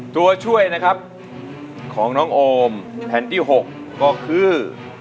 ตัวช่วยนะครับของน้องโอมแผ่นที่๖ก็คือ